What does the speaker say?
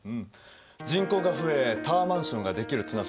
人口が増えタワーマンションができる綱島。